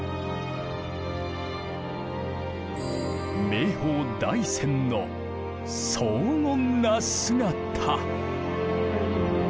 名峰大山の荘厳な姿。